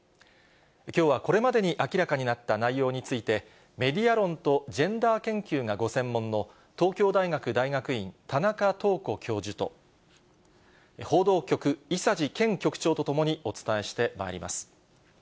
きょうはこれまでに明らかになった内容について、メディア論とジェンダー研究がご専門の、東京大学大学院、田中東子教授と、報道局、伊佐治健局長とともにお伝えしてまいります。